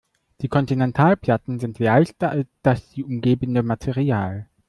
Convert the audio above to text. Die Kontinentalplatten sind leichter als das sie umgebende Material.